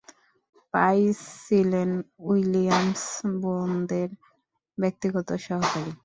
Price ছিলেন Williams বোনদের ব্যক্তিগত সহকারী।